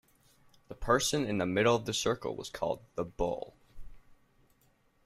The person in the middle of the circle was called the "bull".